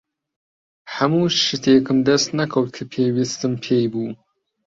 هەموو شتێکم دەست نەکەوت کە پێویستم پێی بوو.